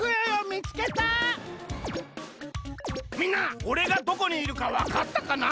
みんなおれがどこにいるかわかったかな？